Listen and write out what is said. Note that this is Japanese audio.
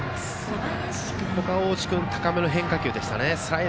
大内君、高めの変化球でしたね。